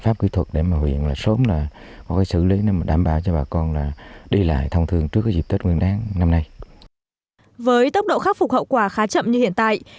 bà con huyện an lạc đã đảm bảo cho bà con đi lại thông thường trước dịp tết nguyên đáng năm nay